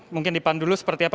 mungkin dipandu dulu seperti apa